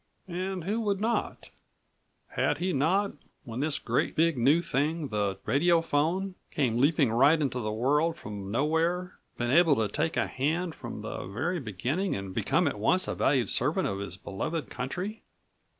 And who would not? Had he not, when this great big new thing, the radiophone, came leaping right into the world from nowhere, been able to take a hand from the very beginning and become at once a valuable servant of his beloved country?